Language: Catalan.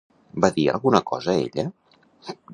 Va dir alguna cosa, ella?